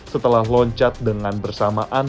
setelah loncat dengan bersamaan